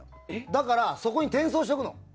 だから、そこに転送しとくの。